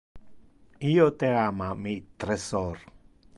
Io te ama, mi tresor.